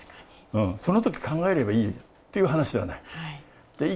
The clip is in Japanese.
そのとき、考えればいいっていう話ではない。